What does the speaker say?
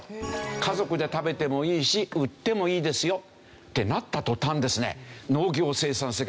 家族で食べてもいいし売ってもいいですよってなった途端ですね。